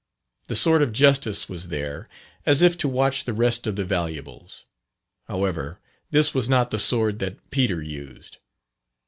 The Sword of Justice was there, as if to watch the rest of the valuables. However, this was not the sword that Peter used.